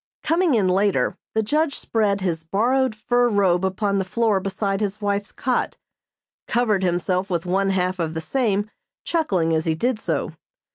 Coming in later, the judge spread his borrowed fur robe upon the floor beside his wife's cot, covered himself with one half of the same, chuckling as he did so.